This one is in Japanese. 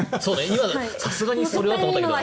さすがにそれはと思ったけど。